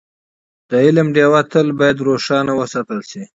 د علم ډېوه باید تل روښانه وساتل شي.